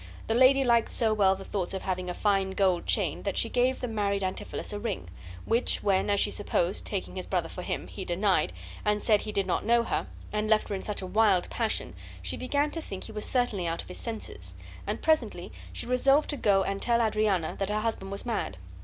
The lady liked so well the thoughts of having a fine gold chain that she gave the married Antipholus a ring; which when, as she supposed (taking his brother for him), he denied, and said he did not know her, and left her in such a wild passion, she began to think he was certainly out of his senses; and presently she resolved to go and tell Adriana that her husband was mad.